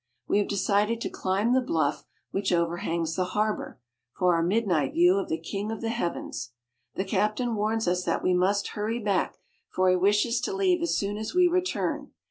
We have decided to climb the bluff which overhangs the harbor, for our midnight view of the King of the Heav ens. The captain warns us that we must hurry back, for he wishes to leave as soon as we return.